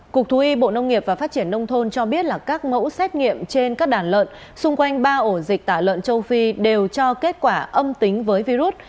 cục thú y bộ nông nghiệp và phát triển nông thôn cho biết là các mẫu xét nghiệm trên các đàn lợn xung quanh ba ổ dịch tả lợn châu phi đều cho kết quả âm tính với virus